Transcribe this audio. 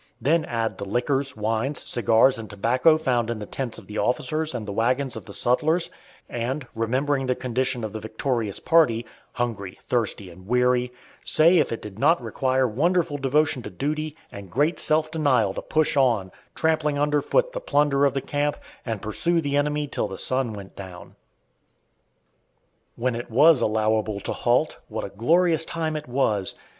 Then add the liquors, wines, cigars, and tobacco found in the tents of the officers and the wagons of the sutlers, and, remembering the condition of the victorious party, hungry, thirsty, and weary, say if it did not require wonderful devotion to duty, and great self denial to push on, trampling under foot the plunder of the camp, and pursue the enemy till the sun went down. When it was allowable to halt, what a glorious time it was!